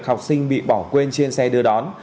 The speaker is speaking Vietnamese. học sinh bị bỏ quên trên xe đưa đón